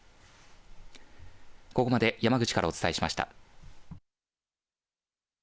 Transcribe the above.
ここまで山口からお伝えしました。